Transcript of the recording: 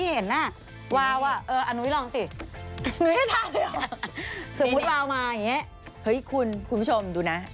เฮ้ยคุณผู้ชม